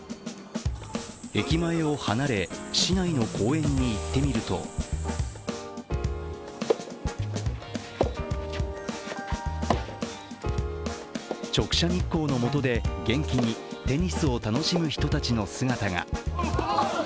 駅前を離れ、市内の公園に行ってみると直射日光のもとで元気にテニスを楽しむ人たちの姿が。